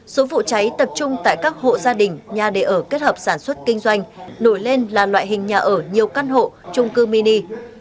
số vụ cháy tập trung tại các hộ gia đình nhà đề ở kết hợp sản xuất kinh doanh nổi lên là loại hình nhà ở nhiều căn hộ trung cư mini